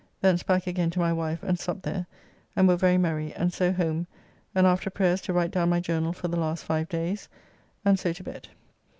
Thence back again to my wife and supped there, and were very merry and so home, and after prayers to write down my journall for the last five days, and so to bed.